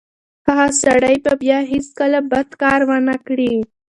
هغه سړی به بیا هیڅکله بد کار ونه کړي.